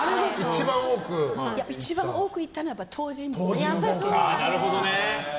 一番多く行ったのは東尋坊。